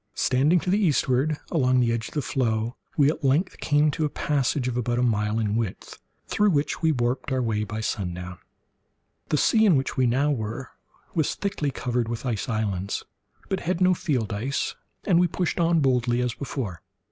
Standing to the eastward along the edge of the floe, we at length came to a passage of about a mile in width, through which we warped our way by sundown. The sea in which we now were was thickly covered with ice islands, but had no field ice, and we pushed on boldly as before.